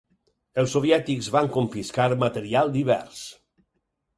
Els soviètics van confiscar material divers.